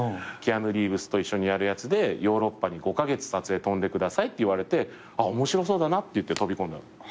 キアヌ・リーブスと一緒にやるやつでヨーロッパに５カ月撮影飛んでくださいって言われて面白そうだなっていって飛び込んだの。